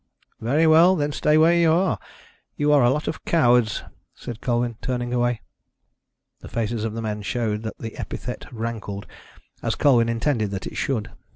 "Very well, then stay where you are. You are a lot of cowards," said Colwyn, turning away. The faces of the men showed that the epithet rankled, as Colwyn intended that it should.